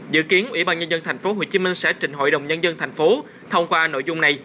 dự kiến ủy ban nhân dân tp hcm sẽ trình hội đồng nhân dân tp hcm thông qua nội dung này